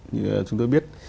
như chúng tôi biết